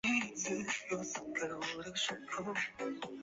隆吻海蠋鱼的图片